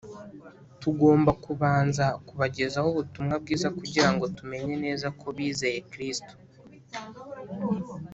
tugomba kubanza kubagezaho Ubutumwa Bwiza kugira ngo tumenye neza ko bizeye Kristo.